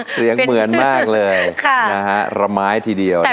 เสียงเหมือนมากเลยระไม้ทีเดียว